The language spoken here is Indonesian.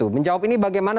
menjawab ini bagaimana